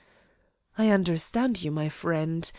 "I understand you, my friend.